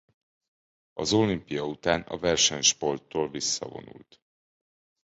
Az olimpia után a versenysporttól visszavonult.